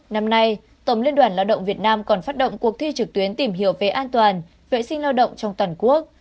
năm nay tổng liên đoàn lao động việt nam còn phát động cuộc thi trực tuyến tìm hiểu về an toàn vệ sinh lao động trong toàn quốc